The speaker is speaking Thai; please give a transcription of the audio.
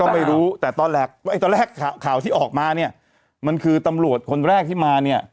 ไม่รู้แต่ตอนแรกข่าวที่ออกมาเนี่ยมันคือตำรวจคนแรกที่มาเนี่ย